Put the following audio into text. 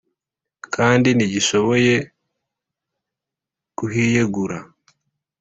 kandi ntigishoboye kuhiyegura.